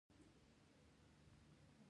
یوه ورځ یو ماشوم دنیا ته راغی.